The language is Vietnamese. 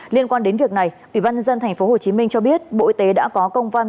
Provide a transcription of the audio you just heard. liên quan đến việc này ubnd tp hcm cho biết bộ y tế đã có công văn